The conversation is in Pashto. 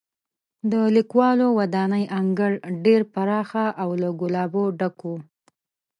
د لیکوالو ودانۍ انګړ ډېر پراخه او له ګلابو ډک و.